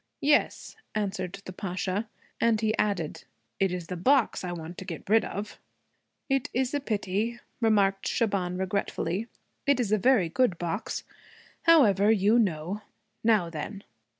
'Yes,' answered the Pasha. And he added, 'It is the box I want to get rid of.' 'It is a pity,' remarked Shaban regretfully. 'It is a very good box. However, you know. Now then!'